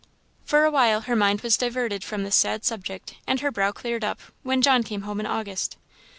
For a while her mind was diverted from this sad subject, and her brow cleared up, when John came home in August.